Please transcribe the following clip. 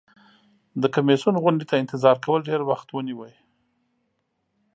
د کمیسیون غونډې ته انتظار کول ډیر وخت ونیو.